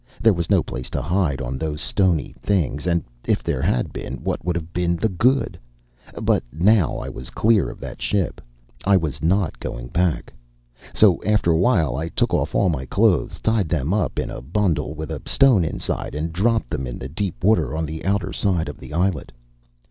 There was no place to hide on those stony things and if there had been, what would have been the good? But now I was clear of that ship, I was not going back. So after a while I took off all my clothes, tied them up in a bundle with a stone inside, and dropped them in the deep water on the outer side of that islet.